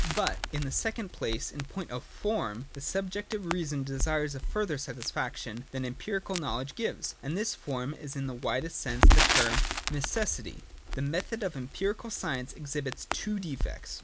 9.] But in the second place in point oi form the sub jective reason desires a further satisfaction than em pirical knowledge gives; and this form, is, in the widest sense of the term. Necessity (§ i). The method of empirical science exhibits two defects.